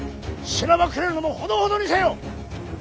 しらばくれるのもほどほどにせよ！